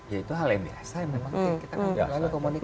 ya itu hal yang biasa memang kita ngobrol komunikasi